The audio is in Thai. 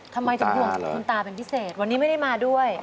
ทำไมถึงห่วงคุณตาเป็นพิเศษวันนี้ไม่ได้มาด้วย